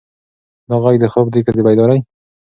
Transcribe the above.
دا غږ د خوب دی که د بیدارۍ؟